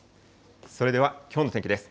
それでは、きょうの天気です。